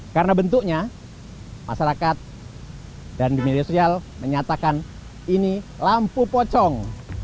karena bentuknya masyarakat dan di miliar sosial menyatakan ini lampu pocong